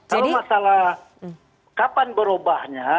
kalau masalah kapan berubahnya